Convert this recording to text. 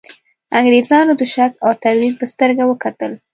انګرېزانو د شک او تردید په سترګه وکتل.